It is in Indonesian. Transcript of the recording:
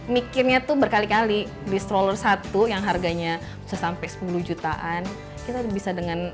mikirnya tuh berkali kali di stroller satu yang harganya sesampai sepuluh jutaan kita bisa dengan